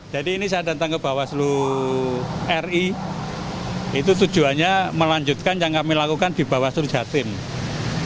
jadi ini saya datang ke bawastu ri itu tujuannya melanjutkan yang kami lakukan di bawastu jawa timur